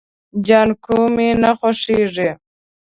جانکو مې نه خوښيږي.